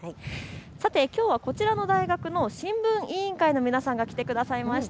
きょうはこちらの大学の新聞委員会の皆さんが来てくれました。